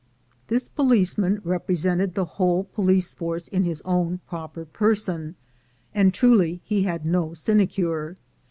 This policeman represented the whole police force in his own proper person, and truly he had no sinecure.